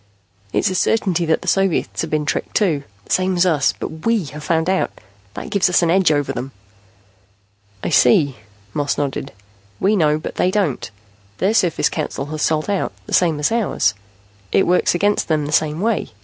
"It's a certainty that the Soviets have been tricked, too, the same as us. But we have found out. That gives us an edge over them." "I see." Moss nodded. "We know, but they don't. Their Surface Council has sold out, the same as ours. It works against them the same way.